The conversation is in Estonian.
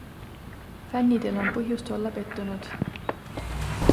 Fännidel on põhjust olla pettunud.